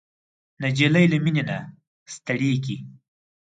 نجلۍ له مینې نه نه ستړېږي.